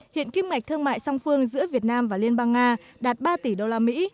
hiện kim ngạch thương mại song phương giữa việt nam và liên bang nga đạt ba tỷ đô la mỹ